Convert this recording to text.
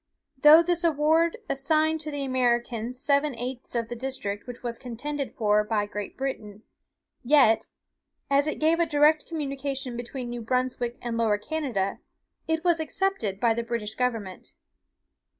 Though this award assigned to the Americans seven eighths of the district which was contended for by Great Britain, yet, as it gave a direct communication between New Brunswick and Lower Canada, it was accepted by the British government.